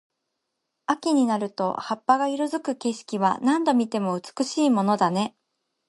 秋になると葉っぱが色付く景色は、何度見ても美しいものだね。